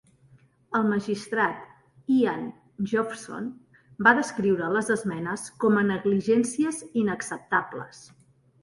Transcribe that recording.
El magistrat Ian Josephson va descriure les esmenes com a "negligències inacceptables".